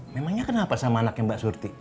memangnya kenal apa sama anaknya mbak surti